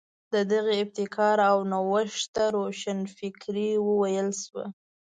د دغې ابتکار او نوښت ته روښانفکري وویل شوه.